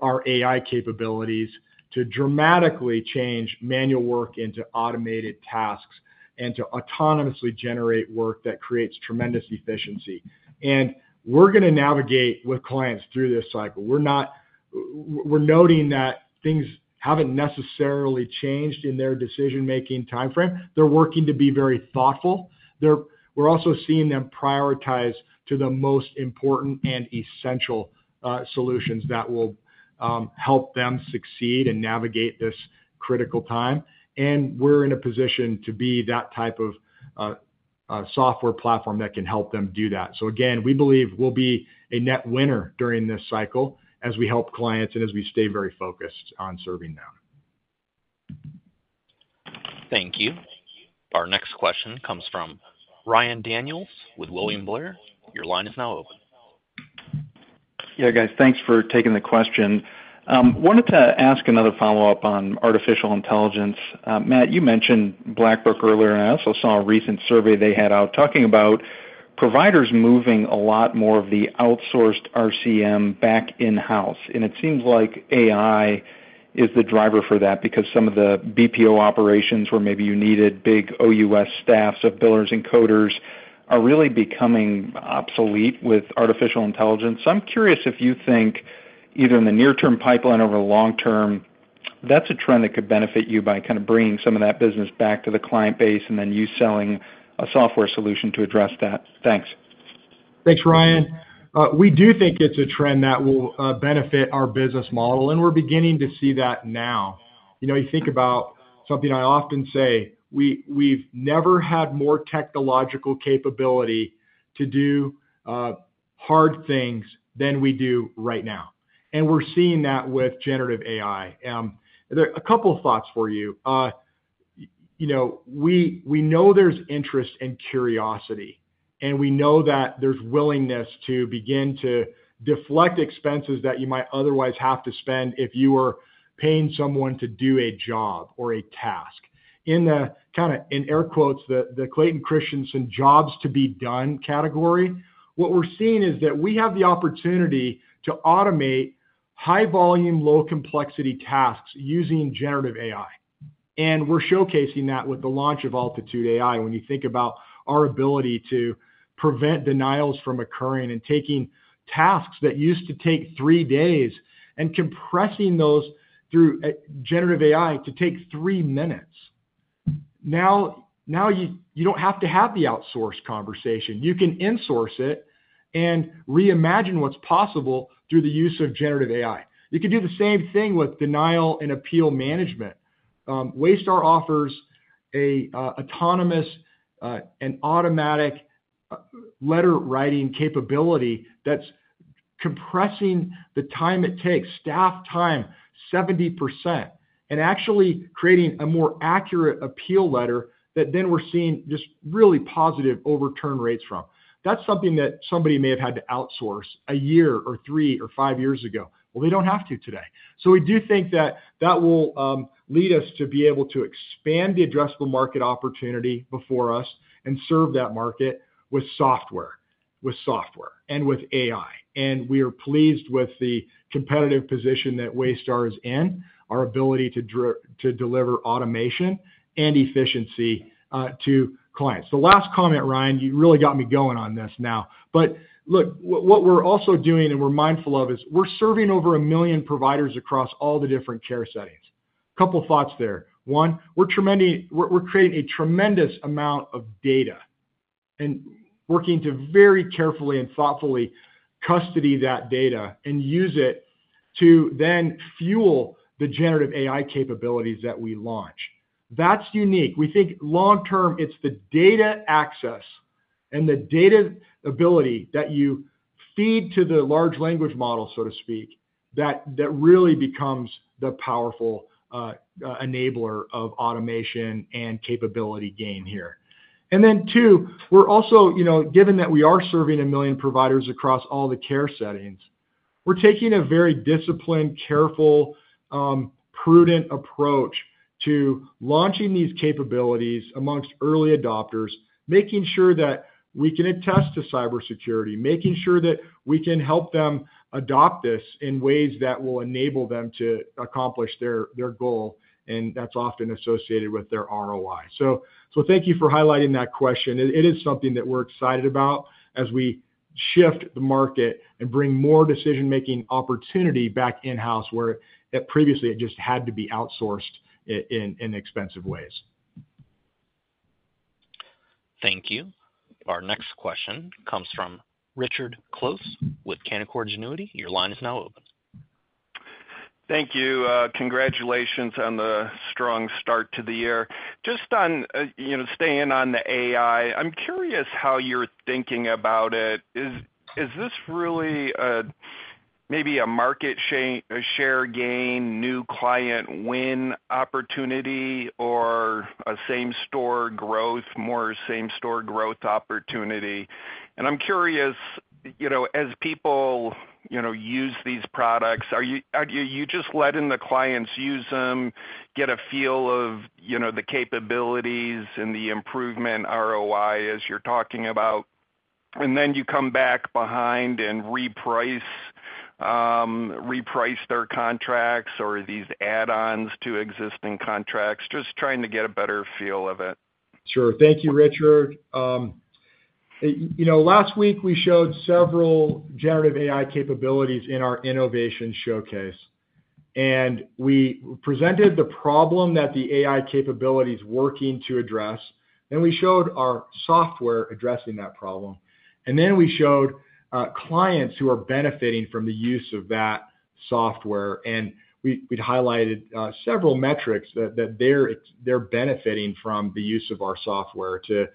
C: our AI capabilities to dramatically change manual work into automated tasks and to autonomously generate work that creates tremendous efficiency. We are going to navigate with clients through this cycle. We're noting that things haven't necessarily changed in their decision-making timeframe. They're working to be very thoughtful. We're also seeing them prioritize to the most important and essential solutions that will help them succeed and navigate this critical time. We're in a position to be that type of software platform that can help them do that. Again, we believe we'll be a net winner during this cycle as we help clients and as we stay very focused on serving them.
A: Thank you. Our next question comes from Ryan Daniels with William Blair. Your line is now open.
L: Yeah, guys, thanks for taking the question. Wanted to ask another follow-up on artificial intelligence. Matt, you mentioned Black Book earlier, and I also saw a recent survey they had out talking about providers moving a lot more of the outsourced RCM back in-house. It seems like AI is the driver for that because some of the BPO operations where maybe you needed big OUS staffs of billers and coders are really becoming obsolete with artificial intelligence. I am curious if you think either in the near-term pipeline or over the long-term, that is a trend that could benefit you by kind of bringing some of that business back to the client base and then you selling a software solution to address that. Thanks.
C: Thanks, Ryan. We do think it is a trend that will benefit our business model, and we are beginning to see that now. You think about something I often say, we have never had more technological capability to do hard things than we do right now. We are seeing that with generative AI. A couple of thoughts for you. We know there's interest and curiosity, and we know that there's willingness to begin to deflect expenses that you might otherwise have to spend if you were paying someone to do a job or a task. In air quotes, the Clayton Christensen Jobs to be Done category, what we're seeing is that we have the opportunity to automate high-volume, low-complexity tasks using generative AI. We are showcasing that with the launch of AltitudeAI. When you think about our ability to prevent denials from occurring and taking tasks that used to take three days and compressing those through generative AI to take three minutes. Now you don't have to have the outsource conversation. You can insource it and reimagine what's possible through the use of generative AI. You can do the same thing with denial and appeal management. Waystar offers an autonomous and automatic letter-writing capability that's compressing the time it takes, staff time, 70%, and actually creating a more accurate appeal letter that then we're seeing just really positive overturn rates from. That's something that somebody may have had to outsource a year or three or five years ago. They don't have to today. We do think that that will lead us to be able to expand the addressable market opportunity before us and serve that market with software, with software, and with AI. We are pleased with the competitive position that Waystar is in, our ability to deliver automation and efficiency to clients. The last comment, Ryan, you really got me going on this now. What we're also doing and we're mindful of is we're serving over a million providers across all the different care settings. A couple of thoughts there. One, we're creating a tremendous amount of data and working to very carefully and thoughtfully custody that data and use it to then fuel the generative AI capabilities that we launch. That's unique. We think long-term, it's the data access and the data ability that you feed to the large language model, so to speak, that really becomes the powerful enabler of automation and capability gain here. Two, we're also, given that we are serving a million providers across all the care settings, taking a very disciplined, careful, prudent approach to launching these capabilities amongst early adopters, making sure that we can attest to cybersecurity, making sure that we can help them adopt this in ways that will enable them to accomplish their goal, and that's often associated with their ROI. Thank you for highlighting that question. It is something that we're excited about as we shift the market and bring more decision-making opportunity back in-house where previously it just had to be outsourced in expensive ways.
A: Thank you. Our next question comes from Richard Close with Canaccord Genuity. Your line is now open.
M: Thank you. Congratulations on the strong start to the year. Just on staying on the AI, I'm curious how you're thinking about it. Is this really maybe a market share gain, new client win opportunity, or a same-store growth, more same-store growth opportunity? I'm curious, as people use these products, you just let in the clients use them, get a feel of the capabilities and the improvement ROI as you're talking about, and then you come back behind and reprice their contracts or these add-ons to existing contracts, just trying to get a better feel of it.
C: Sure. Thank you, Richard. Last week, we showed several generative AI capabilities in our Innovation Showcase, and we presented the problem that the AI capability is working to address, and we showed our software addressing that problem. We showed clients who are benefiting from the use of that software, and we'd highlighted several metrics that they're benefiting from the use of our software to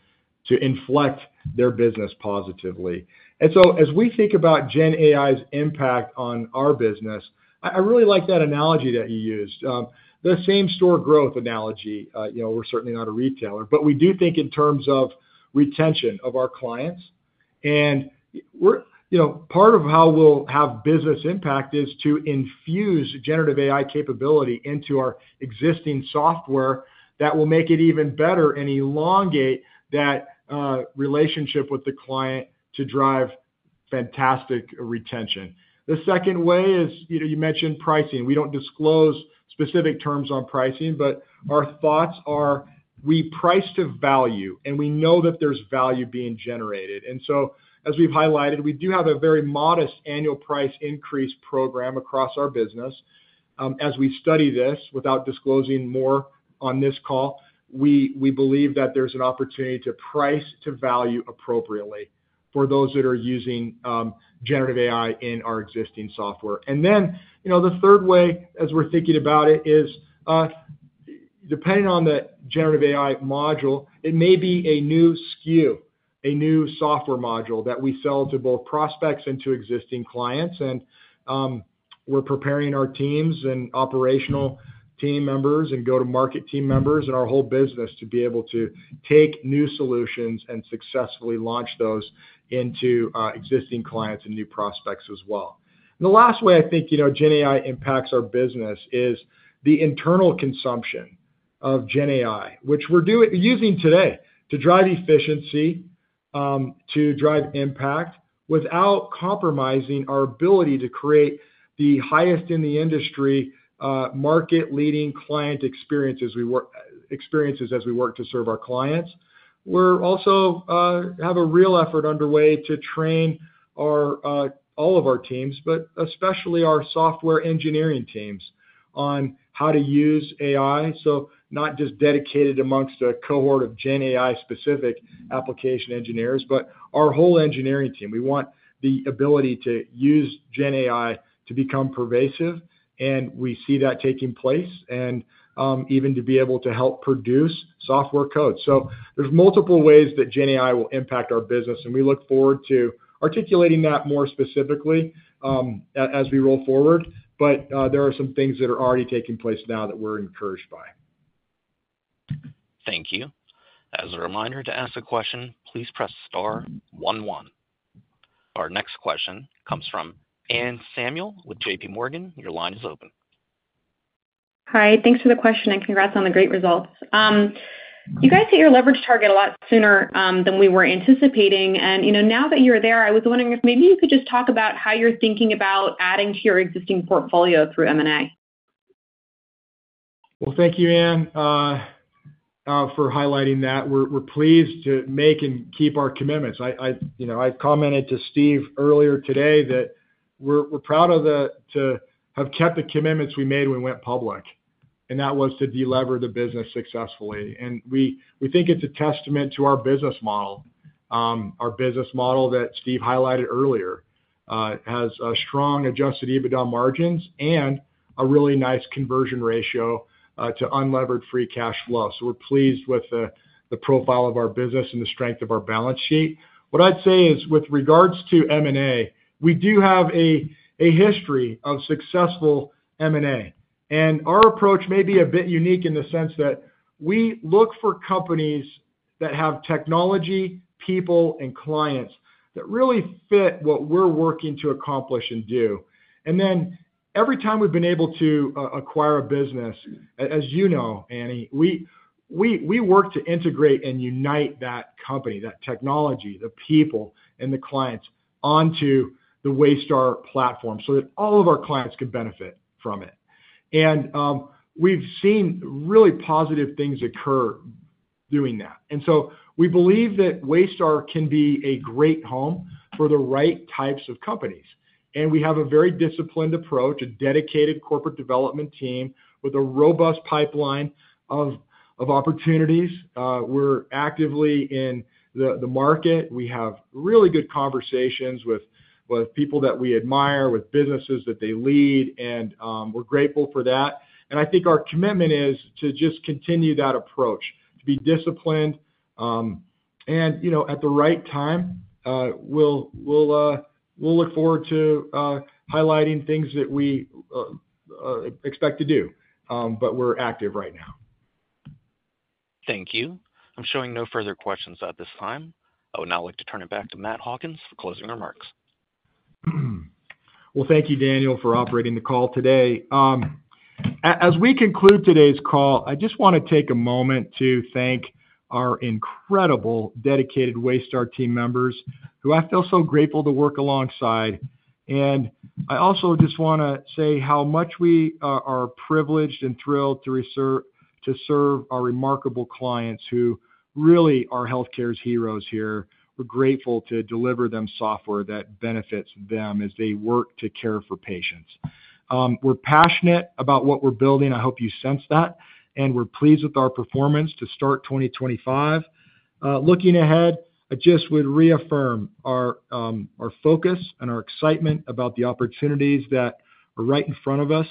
C: inflect their business positively. As we think about GenAI's impact on our business, I really like that analogy that you used, the same-store growth analogy. We're certainly not a retailer, but we do think in terms of retention of our clients. Part of how we'll have business impact is to infuse generative AI capability into our existing software that will make it even better and elongate that relationship with the client to drive fantastic retention. The second way is you mentioned pricing. We don't disclose specific terms on pricing, but our thoughts are we price to value, and we know that there's value being generated. As we've highlighted, we do have a very modest annual price increase program across our business. As we study this, without disclosing more on this call, we believe that there's an opportunity to price to value appropriately for those that are using generative AI in our existing software. The third way, as we're thinking about it, is depending on the generative AI module, it may be a new SKU, a new software module that we sell to both prospects and to existing clients. We're preparing our teams and operational team members and go-to-market team members and our whole business to be able to take new solutions and successfully launch those into existing clients and new prospects as well. The last way I think GenAI impacts our business is the internal consumption of GenAI, which we're using today to drive efficiency, to drive impact without compromising our ability to create the highest-in-the-industry market-leading client experiences as we work to serve our clients. We also have a real effort underway to train all of our teams, but especially our software engineering teams on how to use AI. Not just dedicated amongst a cohort of GenAI-specific application engineers, but our whole engineering team. We want the ability to use GenAI to become pervasive, and we see that taking place, and even to be able to help produce software code. There are multiple ways that GenAI will impact our business, and we look forward to articulating that more specifically as we roll forward, but there are some things that are already taking place now that we are encouraged by.
A: Thank you. As a reminder to ask a question, please press star one one. Our next question comes from Anne Samuel with JPMorgan. Your line is open.
N: Hi. Thanks for the question, and congrats on the great results. You guys hit your leverage target a lot sooner than we were anticipating. Now that you are there, I was wondering if maybe you could just talk about how you are thinking about adding to your existing portfolio through M&A.
C: Thank you, Anne, for highlighting that. We are pleased to make and keep our commitments. I commented to Steve earlier today that we're proud to have kept the commitments we made when we went public, and that was to deliver the business successfully. We think it's a testament to our business model, our business model that Steve highlighted earlier, has strong adjusted EBITDA margins and a really nice conversion ratio to unlevered free cash flow. We are pleased with the profile of our business and the strength of our balance sheet. What I'd say is, with regards to M&A, we do have a history of successful M&A. Our approach may be a bit unique in the sense that we look for companies that have technology, people, and clients that really fit what we're working to accomplish and do. Every time we've been able to acquire a business, as you know, Annie, we work to integrate and unite that company, that technology, the people, and the clients onto the Waystar platform so that all of our clients can benefit from it. We've seen really positive things occur doing that. We believe that Waystar can be a great home for the right types of companies. We have a very disciplined approach, a dedicated corporate development team with a robust pipeline of opportunities. We're actively in the market. We have really good conversations with people that we admire, with businesses that they lead, and we're grateful for that. I think our commitment is to just continue that approach, to be disciplined, and at the right time, we'll look forward to highlighting things that we expect to do, but we're active right now.
A: Thank you. I'm showing no further questions at this time. I would now like to turn it back to Matt Hawkins for closing remarks.
C: Thank you, Daniel, for operating the call today. As we conclude today's call, I just want to take a moment to thank our incredible dedicated Waystar team members who I feel so grateful to work alongside. I also just want to say how much we are privileged and thrilled to serve our remarkable clients who really are healthcare's heroes here. We're grateful to deliver them software that benefits them as they work to care for patients. We're passionate about what we're building. I hope you sense that. We're pleased with our performance to start 2025. Looking ahead, I just would reaffirm our focus and our excitement about the opportunities that are right in front of us.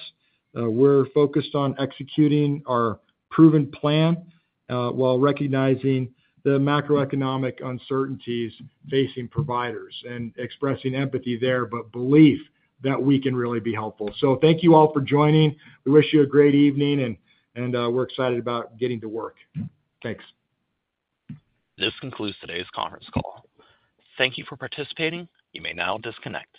C: We're focused on executing our proven plan while recognizing the macroeconomic uncertainties facing providers and expressing empathy there, but belief that we can really be helpful. Thank you all for joining. We wish you a great evening, and we're excited about getting to work. Thanks.
A: This concludes today's conference call. Thank you for participating. You may now disconnect.